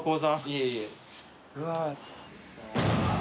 いえいえ。